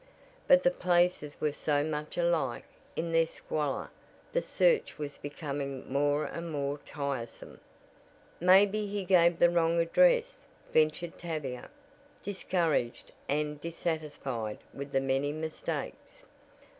But the places were so much alike in their squalor the search was becoming more and more tiresome. "Maybe he gave the wrong address," ventured Tavia, discouraged and dissatisfied with the many mistakes.